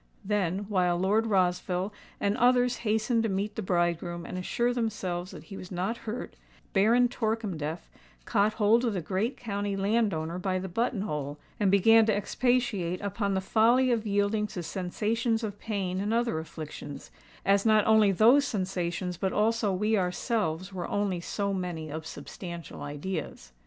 Then, while Lord Rossville and others hastened to meet the bridegroom and assure themselves that he was not hurt, Baron Torkemdef caught hold of the great county landowner by the button hole, and began to expatiate upon the folly of yielding to sensations of pain and other afflictions, as not only those sensations but also we ourselves were only so many unsubstantial ideas.